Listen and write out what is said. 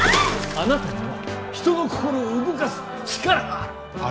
あなたには人の心を動かす力がある！